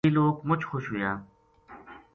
ویہ لوک مچ خوش ہویا